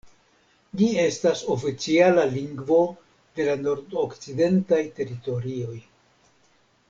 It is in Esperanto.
Ĝi estas oficiala lingvo de la Nordokcidentaj Teritorioj.